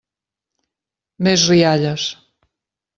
Més rialles.